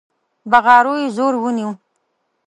بغارو يې زور ونيو.